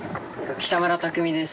北村匠海です